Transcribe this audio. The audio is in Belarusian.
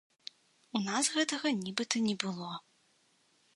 У нас гэтага нібыта не было.